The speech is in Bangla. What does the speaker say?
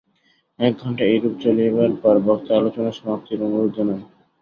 এক ঘণ্টা এইরূপ চলিবার পর বক্তা আলোচনা সমাপ্তির অনুরোধ জানান।